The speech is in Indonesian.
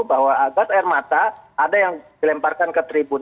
bahwa gas air mata ada yang dilemparkan ke tribun